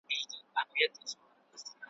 ما پلونه د اغیار دي پر کوڅه د یار لیدلي `